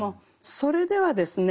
それではですね